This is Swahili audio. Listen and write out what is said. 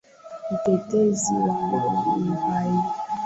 Mtetezi wangu yu hai.